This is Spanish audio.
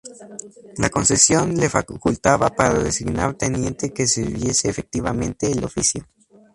La concesión le facultaba para designar teniente que sirviese efectivamente el oficio.